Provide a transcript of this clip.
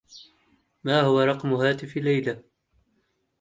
ما هو رقم هاتف ليلى؟